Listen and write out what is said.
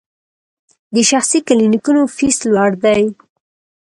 د شخصي کلینیکونو فیس لوړ دی؟